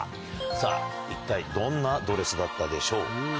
さぁ一体どんなドレスだったでしょうか？